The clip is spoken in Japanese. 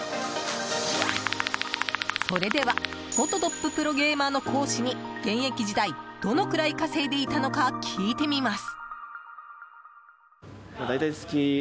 それでは元トッププロゲーマーの講師に現役時代どのくらい稼いでいたのか聞いてみます。